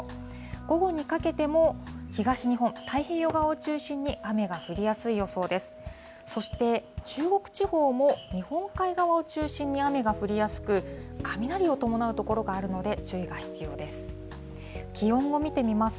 午後にかけても東日本、太平洋側を中心に雨が降りやすい予想です。